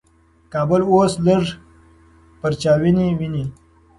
کابل اوس لږ پرچاویني ویني.